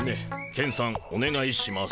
ケンさんおねがいします。